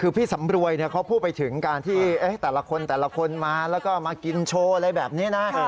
คือพี่สำรวยเขาพูดไปถึงการที่แต่ละคนแต่ละคนมาแล้วก็มากินโชว์อะไรแบบนี้นะ